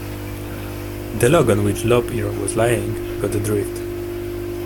The log on which Lop-Ear was lying got adrift.